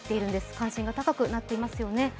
関心が高くなっていますよね。